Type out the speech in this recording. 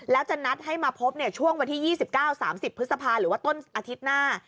แล้วจะนัดให้มาพบช่วงวันที่๒๙๓๐พฤษภาหรือว่าต้นอาทิตย์หน้า